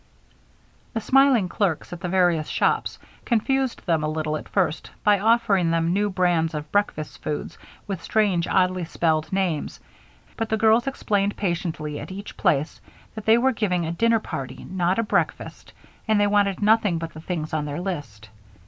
The smiling clerks at the various shops confused them a little at first by offering them new brands of breakfast foods with strange, oddly spelled names, but the girls explained patiently at each place that they were giving a dinner party, not a breakfast, and that they wanted nothing but the things on their list.